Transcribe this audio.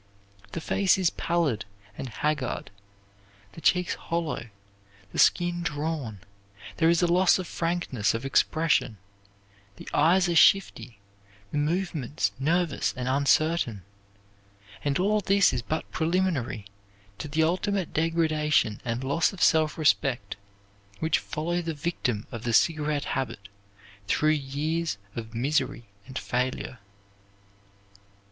The face is pallid and haggard, the cheeks hollow, the skin drawn, there is a loss of frankness of expression, the eyes are shifty, the movements nervous and uncertain, and all this is but preliminary to the ultimate degradation and loss of self respect which follow the victim of the cigarette habit, through years of misery and failure.